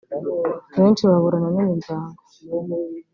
benshi baburana n’imiryango